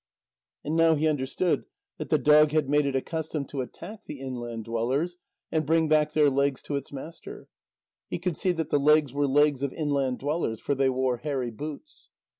And now he understood that the dog had made it a custom to attack the inland dwellers and bring back their legs to its master. He could see that the legs were legs of inland dwellers, for they wore hairy boots.